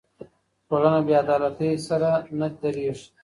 ټولنه بې عدالتۍ سره نه درېږي.